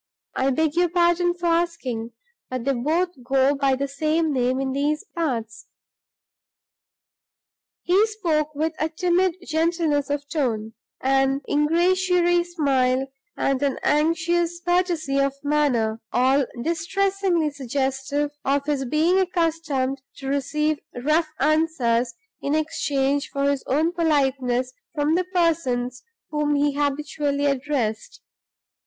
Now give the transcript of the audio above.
I beg your pardon for asking, but they both go by the same name in these parts." He spoke with a timid gentleness of tone, an ingratiatory smile, and an anxious courtesy of manner, all distressingly suggestive of his being accustomed to receive rough answers in exchange for his own politeness from the persons whom he habitually addressed.